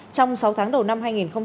trong sáu tháng đầu năm hai nghìn hai mươi